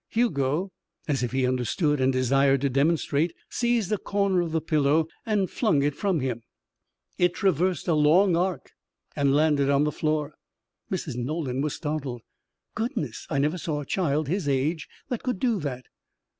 Hugo, as if he understood and desired to demonstrate, seized a corner of the pillow and flung it from him. It traversed a long arc and landed on the floor. Mrs. Nolan was startled. "Goodness! I never saw a child his age that could do that!"